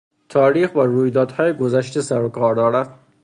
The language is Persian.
تاریخ با رویدادهای گذشته سر و کار دارد.